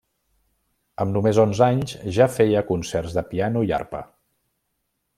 Amb només onze anys ja feia concerts de piano i arpa.